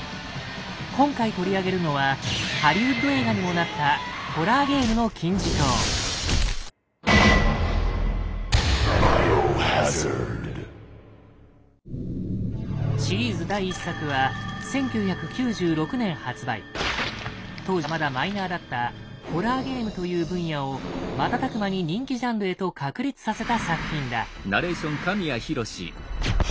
今回取り上げるのはハリウッド映画にもなったシリーズ第１作は当時はまだマイナーだった「ホラーゲーム」という分野を瞬く間に人気ジャンルへと確立させた作品だ。